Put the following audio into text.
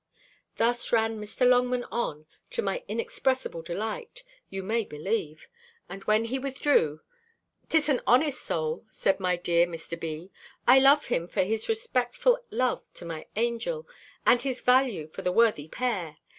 Thus ran Mr. Longman on, to my inexpressible delight, you may believe; and when he withdrew "'Tis an honest soul," said my dear Mr. B. "I love him for his respectful love to my angel, and his value for the worthy pair.